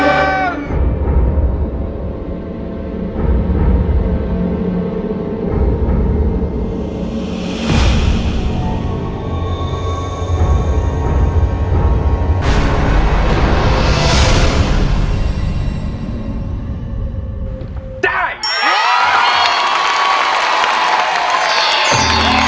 มูลค่า๑หมื่นบาท